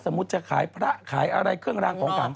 ศึกไปล่ะ